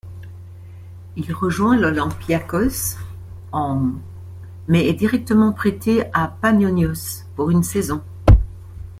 Il rejoint l'Olympiakos en mais est directement prêté à Paniónios pour une saison.